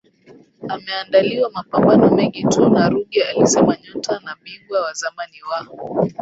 ameandaliwa mapambano mengi tu na Ruge alisema nyota na bingwa wa zamani wa